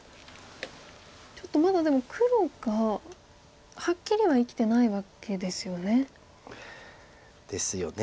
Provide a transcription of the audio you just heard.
ちょっとまだでも黒がはっきりは生きてないわけですよね。ですよね？